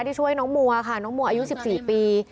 ช่วยน้องมัวค่ะน้องมัวอายุ๑๔ปี